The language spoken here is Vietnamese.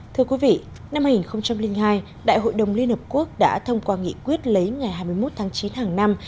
thưa quý vị năm hai nghìn hai đại hội đồng liên hợp quốc đã thông qua nghị quyết lấy ngày hai mươi một tháng chín hàng năm